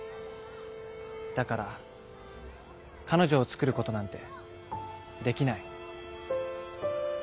だから彼女を作ることなんてできない。